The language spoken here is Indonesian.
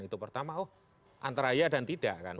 itu pertama oh antaraya dan tidak